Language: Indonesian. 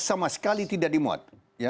sama sekali tidak dimuat